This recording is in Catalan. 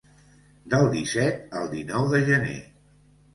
Del disset al dinou de gener.